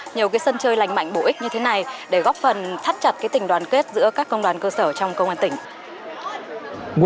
nhiều sân chơi lành mạnh bổ ích như thế này để góp phần thắt chặt tình đoàn kết giữa các công đoàn cơ sở trong công an tỉnh